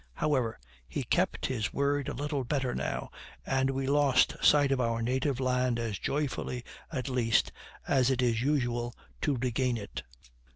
However, he kept his word a little better now, and we lost sight of our native land as joyfully, at least, as it is usual to regain it.